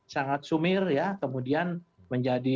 sangat sumir ya kemudian menjadi